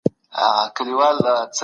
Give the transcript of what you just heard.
ایډیالوژیکو نیمګړو لوستو دا مزل خراب کړ.